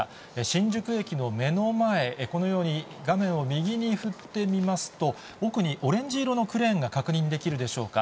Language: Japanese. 新宿駅の目の前、このように画面を右に振ってみますと、奥にオレンジ色のクレーンが確認できるでしょうか。